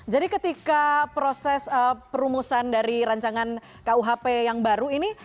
jadi ketika proses perumusan dari rancangan kuhp yang baru ini